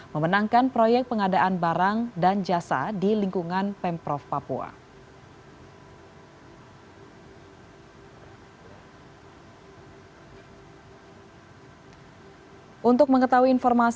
memenangkan proyek pengadaan barang dan jasa di lingkungan pemprov papua